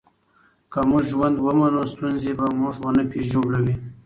که موږ ژوند ومنو، ستونزې به موږ ونه ژوبلوي.